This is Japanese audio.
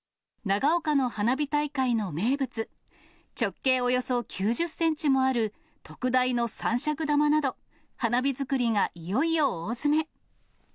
長岡の花火大会の名物、直径およそ９０センチもある、特大の三尺玉など、花火作りがいよいよ大詰め。